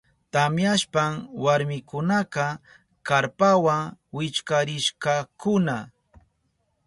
Tamyashpan warmikunaka karpawa wichkarishkakuna.